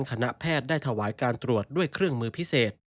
คณะแพทย์ได้ถวายการตรวจด้วยเครื่องมือพิเศษ